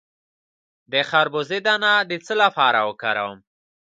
د خربوزې دانه د څه لپاره وکاروم؟